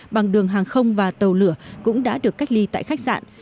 bằng đường hàng không và tàu lửa cũng đã được cách ly tại khách sạn